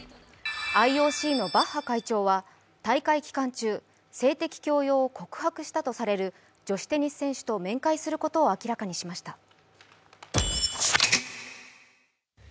ＩＯＣのバッハ会長は大会期間中、性的強要を告白したとされる女子テニス選手と面会することを明らかにしました。